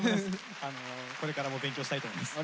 これからも勉強したいと思います。